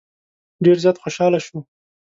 ډېر زیات خوشاله شو.